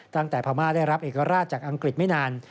พม่าได้รับเอกราชจากอังกฤษไม่นาน